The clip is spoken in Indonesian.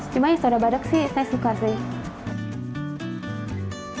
cuma ya sudah badak sih saya suka sih